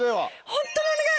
ホントにお願い。